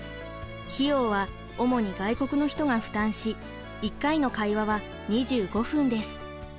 費用は主に外国の人が負担し１回の会話は２５分です。